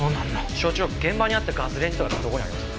所長現場にあったガスレンジとかってどこにありますか？